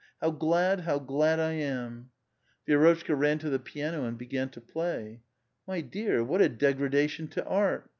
How glad, how glad 1 am !" Vicrotchka ran to the piano, and began to play. "My dear! What a degradation to art!